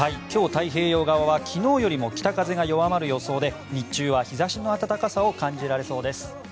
今日、太平洋側は昨日よりも北風が弱まる予想で日中は日差しの温かさを感じられそうです。